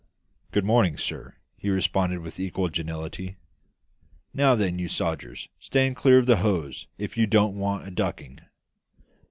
"Good morning, sir," he responded with equal geniality. "(Now then, you sodgers, stand clear of the hose if you don't want a ducking.